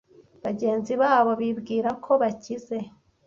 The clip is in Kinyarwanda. bagenzi babo bibwira ko bakize